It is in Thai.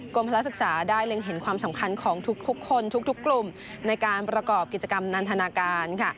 พละศึกษาได้เล็งเห็นความสำคัญของทุกคนทุกกลุ่มในการประกอบกิจกรรมนันทนาการค่ะ